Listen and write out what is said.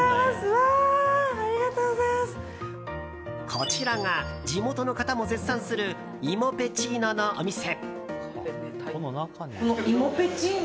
こちらが、地元の方も絶賛する芋ぺちーののお店。